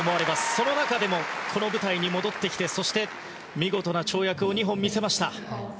その中でもこの舞台に戻ってきてそして、見事な跳躍を２本見せました。